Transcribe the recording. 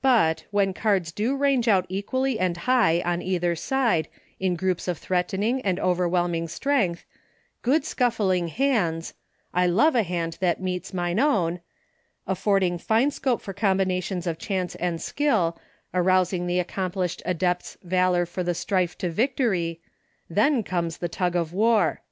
But, when cards do range out equally and high on either side in groups of threatening and overwhelming strength, good scuffling hands, —" I love a hand that meets mine own," — affording fine scope for combinations of chance and skill, arousing the accomplished adept's valor to the strife for victory, " then comes the tug of war."